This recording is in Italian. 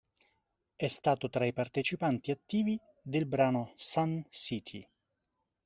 È stato tra i partecipanti attivi nel brano "Sun City".